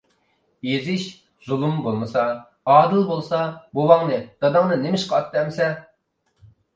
-ئېزىش، زۇلۇم بولمىسا، ئادىل بولسا، بوۋاڭنى، داداڭنى نېمىشقا ئاتتى ئەمىسە؟